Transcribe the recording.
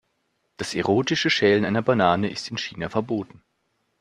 Das erotische Schälen einer Banane ist in China verboten.